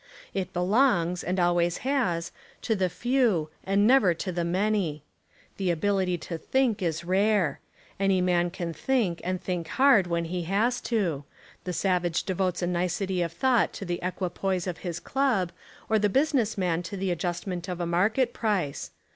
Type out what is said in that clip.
It belongs, and always has, to the few and never to the many. The ability to think is rare. Any man can think and think hard when he has to : the sav age devotes a nicety of thought to the equi poise of his club, or the business man to the adjustment of a market price.